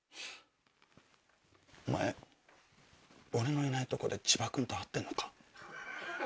お前俺のいないとこで千葉君と会ってんのか？